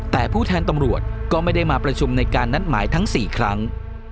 แต่ผู้แทนตำรวจก็ไม่ได้มาประชุมในการนัดหมายทั้ง๔ครั้ง